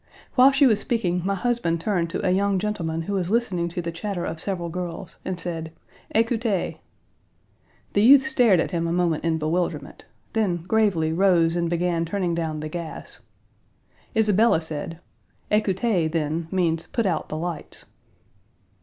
While she was speaking, my husband turned to a young gentleman who was listening to the chatter of several girls, and said: "Écoutez!" The youth stared at him a moment in bewilderment; then, gravely rose and began turning down the gas. Isabella said: "Écoutez, then, means put out the lights."